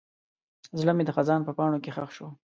زړه مې د خزان په پاڼو کې ښخ شو.